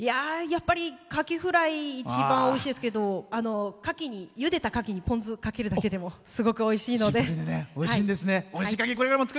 カキフライ一番おいしいですけどゆでたカキにポン酢をかけるだけでもすごくおいしいので。